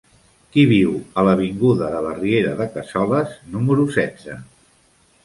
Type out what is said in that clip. Qui viu a l'avinguda de la Riera de Cassoles número setze?